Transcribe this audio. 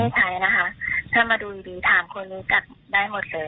ใช้นะคะถ้ามาดูดีถามคนรู้จักได้หมดเลย